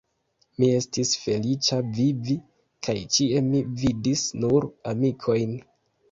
Mi estis feliĉa vivi, kaj ĉie mi vidis nur amikojn.